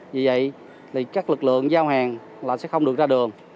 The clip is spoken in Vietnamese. vì vậy thì các lực lượng giao hàng là sẽ không được ra đường